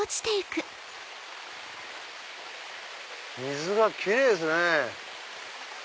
水がキレイですね。